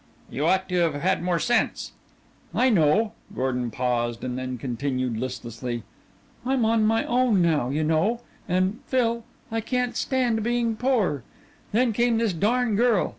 "You ought to've had more sense." "I know," Gordon paused, and then continued listlessly. "I'm on my own now, you know, and Phil, I can't stand being poor. Then came this darn girl.